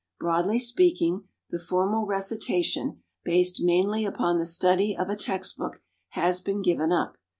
Broadly speaking, the formal recitation, based mainly upon the study of a textbook, has been given up.